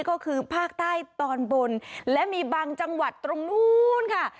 ก็คือภาคใต้ตอนบนและมีบางจังหวัดตรงนู้นค่ะ